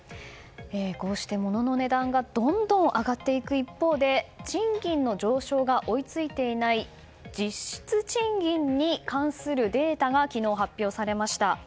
こうして物の値段がどんどん上がっていく一方で賃金の上昇が追い付いていない実質賃金に関するデータが昨日、発表されました。